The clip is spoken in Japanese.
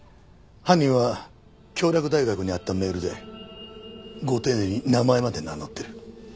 犯人は京洛大学に宛てたメールでご丁寧に名前まで名乗ってる。